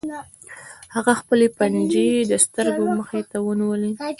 هغه خپلې پنجې د سترګو مخې ته ونیولې